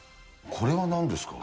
これはなんですか？